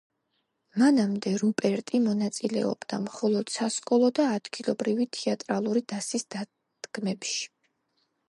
მანამდე რუპერტი მონაწილეობდა მხოლოდ სასკოლო და ადგილობრივი თეატრალური დასის დადგმებში.